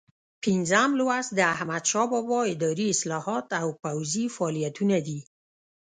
پنځم لوست د احمدشاه بابا اداري اصلاحات او پوځي فعالیتونه دي.